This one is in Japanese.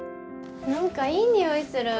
何かいい匂いする。